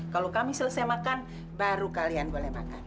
kalau kami selesai makan baru kalian boleh makan